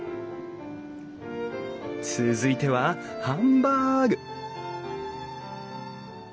続いてはハンバーグ！